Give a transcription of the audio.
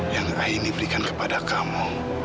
yang akhirnya diberikan kepada kamu